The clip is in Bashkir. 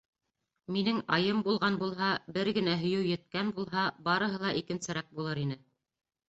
Минең Айым булған булһа, бер генә һөйөү еткән булһа, барыһы ла икенсерәк булыр ине.